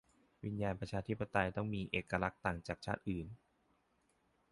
'วิญญาณประชาชาติของไทยมีเอกลักษณ์ต่างจากชาติอื่น'